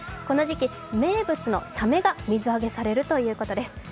この時期、名物のサメが水揚げされるということです。